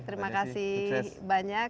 terima kasih banyak